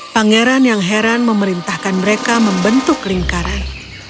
pangeran yang heran memerintahkan mereka membentuk lingkaran